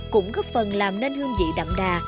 cũng góp phần làm nên hương vị đậm đà